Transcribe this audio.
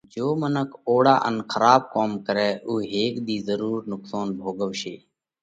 جيو منک اوۯا ان کراٻ ڪوم ڪرئه اُو هيڪ ۮِي ضرُور نُقصونَ ڀوڳوَشي۔